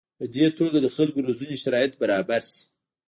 په دې توګه د خلکو روزنې شرایط برابر شي.